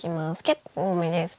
結構多めです。